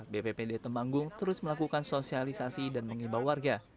bppd temanggung terus melakukan sosialisasi dan mengimbau warga